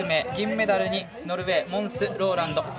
銀メダルにノルウェーモンス・ローランド。